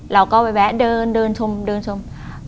เราก็แวะเดินชม